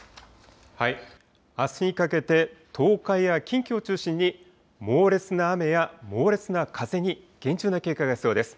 あすにかけて東海や近畿を中心に猛烈な雨や猛烈な風に厳重な警戒が必要です。